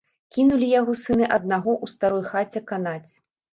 Кінулі яго сыны аднаго ў старой хаце канаць.